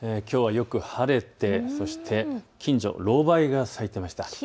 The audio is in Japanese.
きょうはよく晴れて、そして近所、ロウバイが咲いていました。